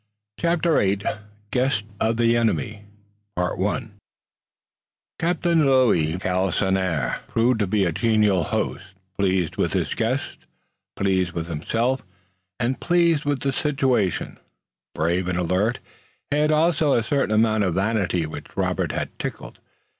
CHAPTER VIII GUESTS OF THE ENEMY Captain Louis de Galisonnière proved to be a genial host, pleased with his guests, pleased with himself, and pleased with the situation. Brave and alert, he had also a certain amount of vanity which Robert had tickled.